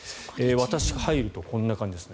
私が入るとこんな感じです。